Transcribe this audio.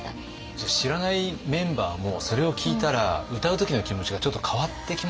じゃあ知らないメンバーもそれを聞いたら歌う時の気持ちがちょっと変わってきますよね。